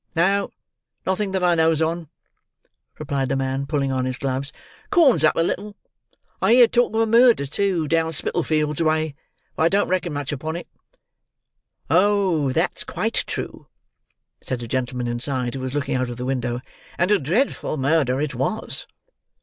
"No, nothing that I knows on," replied the man, pulling on his gloves. "Corn's up a little. I heerd talk of a murder, too, down Spitalfields way, but I don't reckon much upon it." "Oh, that's quite true," said a gentleman inside, who was looking out of the window. "And a dreadful murder it was."